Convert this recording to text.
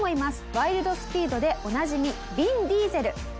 『ワイルド・スピード』でおなじみヴィン・ディーゼル。